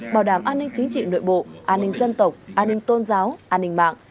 bảo đảm an ninh chính trị nội bộ an ninh dân tộc an ninh tôn giáo an ninh mạng